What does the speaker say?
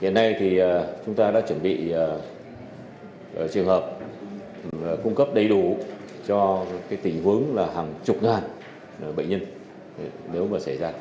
hiện nay thì chúng ta đã chuẩn bị trường hợp cung cấp đầy đủ cho tình huống là hàng chục ngàn bệnh nhân nếu mà xảy ra